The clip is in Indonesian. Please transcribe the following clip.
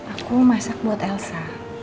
aku masak buat elsa